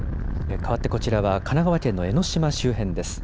かわってこちらは神奈川県の江の島周辺です。